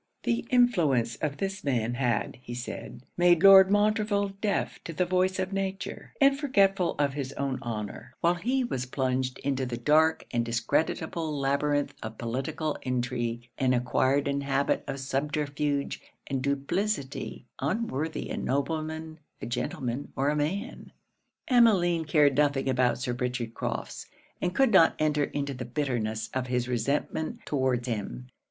The influence of this man had, he said, made Lord Montreville deaf to the voice of nature, and forgetful of his own honour; while he was plunged into the dark and discreditable labyrinth of political intrigue, and acquired an habit of subterfuge and duplicity unworthy a nobleman, a gentleman, or a man. Emmeline cared nothing about Sir Richard Crofts, and could not enter into the bitterness of his resentment towards him.